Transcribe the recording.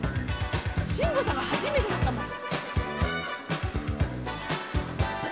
「しんごさんが初めてだったもん」